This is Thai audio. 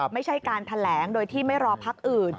ไม่ใช่การแถลงโดยที่ไม่รอพักอื่น